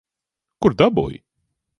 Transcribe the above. Kur dabūji?